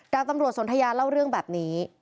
ดาบตำรวจสนทยาเล่าเรื่องแบบนี้